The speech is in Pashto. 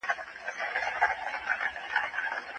پر دغي څوکۍ باندې مي خپله پخوانۍ خولۍ ایښې وه.